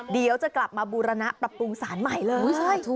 เดี๋ยวจะกลับมาบูรณะปรับปรุงสารใหม่เลย